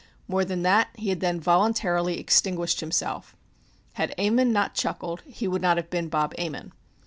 More than that, he had then voluntarily extinguished himself. Had Ammon not chuckled he would not have been Bob Ammon.